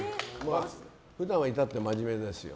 普段は至って真面目ですよ。